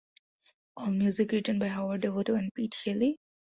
All music written by Howard Devoto and Pete Shelley.